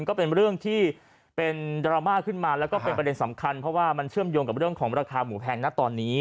ก็เป็นเรื่องที่เป็นดราม่าขึ้นมาแล้วก็เป็นประเด็นสำคัญเพราะว่ามันเชื่อมโยงกับเรื่องของราคาหมูแพงนะตอนนี้